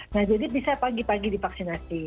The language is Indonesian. nah jadi bisa pagi pagi divaksinasi